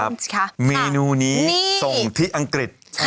ครับเมนูนี้ส่งที่อังกฤษ